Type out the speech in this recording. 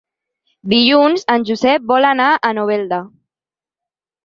Dilluns en Josep vol anar a Novelda.